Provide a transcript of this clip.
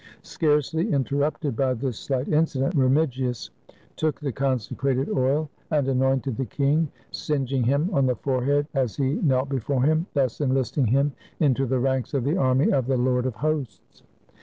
Scarcely interrupted by this slight incident, Remigius took the consecrated oil and anointed the king, singeing him on the forehead as he knelt before him, thus enlist ing him into the ranks of the army of the Lord of Hosts.